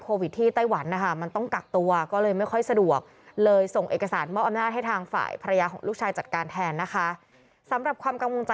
ก็อย่าบอกว่าฮากลูก